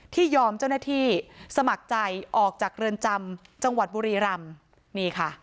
ยอมเจ้าหน้าที่สมัครใจออกจากเรือนจำจังหวัดบุรีรำนี่ค่ะ